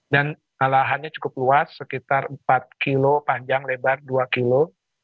dan alahannya cukup luas sekitar empat kilo panjang lebar dua kilo